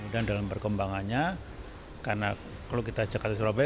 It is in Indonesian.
dan dalam perkembangannya karena kalau kita jakarta surabaya